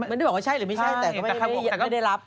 ไม่ได้บอกว่าใช่หรือไม่ใช่แต่ก็ไม่ได้รับ